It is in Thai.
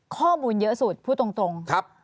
ข้อมูลเยอะสุดพูดตรงตรงครับ